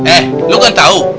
eh lu kan tahu